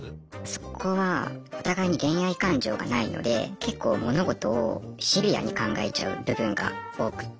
そこはお互いに恋愛感情がないので結構物事をシビアに考えちゃう部分が多くて。